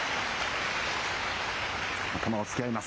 頭を突き合います。